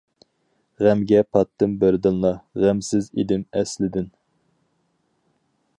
غەمگە پاتتىم بىردىنلا، غەمسىز ئىدىم ئەسلىدىن.